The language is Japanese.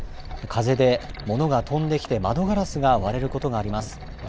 風で、ものが飛んできて窓ガラスが割れることがあります。